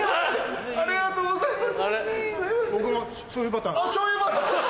ありがとうございます。